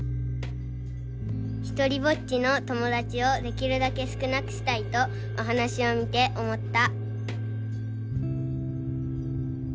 「一人ぼっちの友だちをできるだけ少なくしたいとお話しを見て思った」。